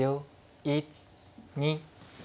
１２。